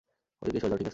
ওদিকে সরে যাও, ঠিক আছে?